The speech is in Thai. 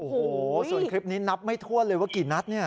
โอ้โหส่วนคลิปนี้นับไม่ทั่วเลยว่ากี่นัดเนี่ย